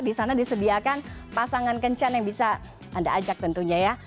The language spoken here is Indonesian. di sana disediakan pasangan kencan yang bisa anda ajak tentunya ya